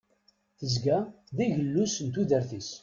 Tezga d agellus n tudert-is.